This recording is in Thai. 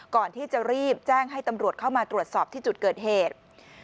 ก่อนที่จะรีบแจ้งให้ตำรวจเข้ามาตรวจสอบที่จุดเกิดเหตุ